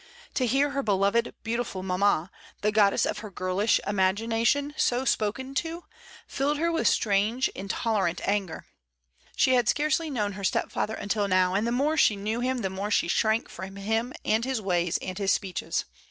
To hear her beloved beautiful mamma, the goddess of her girlish imagina tion, so spoken to, filled her with a strange intolerant anger. She had scarcely known her stepfather until now, and the more she knew him the more she shrank from him and his ways and his speeches.